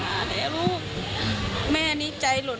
อยากรู้แค่นี้แหละ